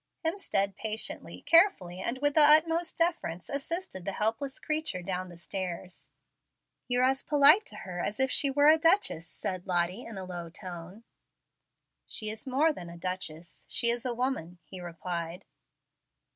Hemstead patiently, carefully, and with the utmost deference, assisted the helpless creature down the stairs. "You're as polite to her as if she were a duchess," said Lottie, in a low tone. "She is more than a duchess. She is a woman," he replied.